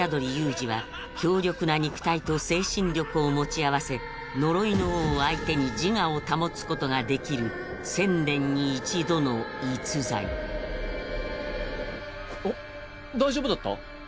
仁は強力な肉体と精神力を持ち合わせ呪いの王を相手に自我を保つことができる１０００年に一度の逸材おっ大丈夫だった？